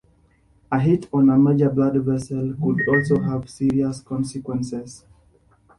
A hit on a major blood vessel could also have serious consequences.